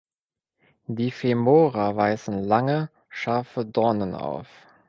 Die Femora weisen lange scharfe Dornen auf.